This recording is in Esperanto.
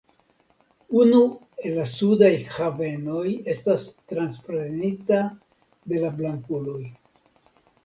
Unu el la sudaj havenoj estas transprenita de la blankuloj.